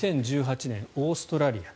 ２０１８年、オーストラリア。